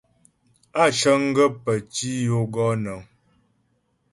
Á cəŋ gaə́ pə́ tǐ yo gɔ nəŋ.